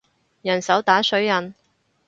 人手打水印